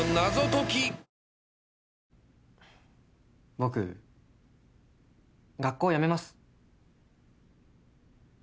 僕学校辞めます。